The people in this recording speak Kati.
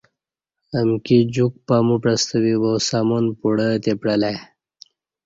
امکی جوک پمو پعستہ بیبا سامان پوڑے تہ پعلہ ای